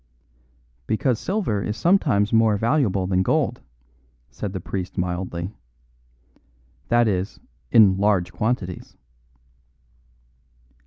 "Because silver is sometimes more valuable than gold," said the priest mildly; "that is, in large quantities."